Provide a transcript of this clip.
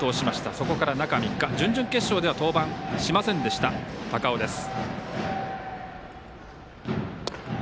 そこから中３日、準々決勝では登板しませんでした、高尾です。